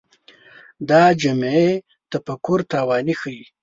دا جمعي تفکر ناتواني ښيي